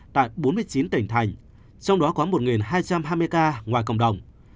tại bốn mươi chín tỉnh thành trong đó có một hai trăm hai mươi ca ngoài cộng đồng